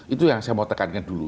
itu yang saya mau tekankan dulu